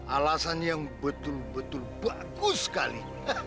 alasan yang betul betul bagus sekali